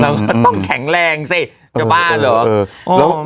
เราต้องแข็งแรงสิบ้าเหรอ